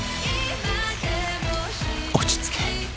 落ち着け